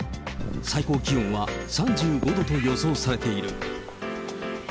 最高気温は３５度と予想されている。